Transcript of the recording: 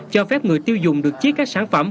cho phép người tiêu dùng được chia các sản phẩm